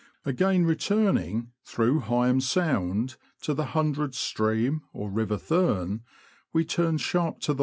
Again returning, through Heigham Sound, to the Hundred Stream, or river Thurne, we turn sharp to t!